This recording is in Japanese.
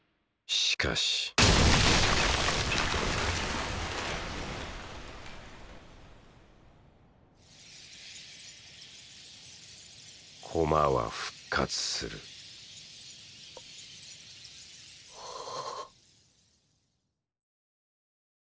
しかし“駒”は復活するっ！